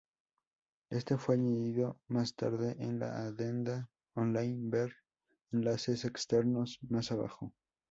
Este fue añadido más tarde en la adenda on-line: ver "Enlaces externos" más abajo.